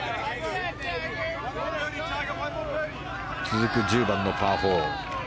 続く１０番のパー４。